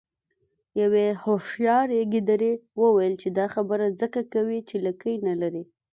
یوې هوښیارې ګیدړې وویل چې دا خبره ځکه کوې چې لکۍ نلرې.